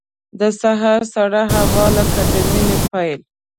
د سهار سړه هوا لکه د مینې پیل.